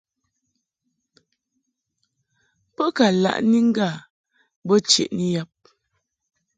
Bo ka laʼni ŋgâ bo cheʼni yab.